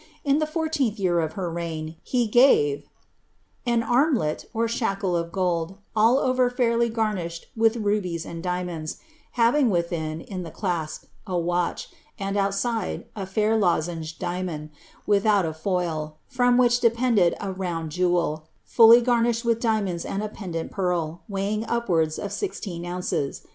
In the fourteenth year of her reign, he gave^ An armlet, or shackle of gold, all over fairly garnished with rubies and dia monds, having within, in the ciasp, a watch, and outride, a fair lozenge diamond, without a foil, from which depended a round jewel, fully garnished with diap monds and a pendent pearl, weighing upwards of sixteen ounces.